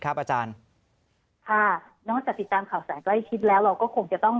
อาจารย์ค่ะนอกจากติดตามข่าวสารใกล้ชิดแล้วเราก็คงจะต้อง